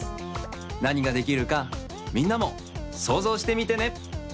なにができるかみんなもそうぞうしてみてね。